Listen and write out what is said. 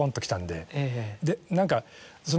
で何か。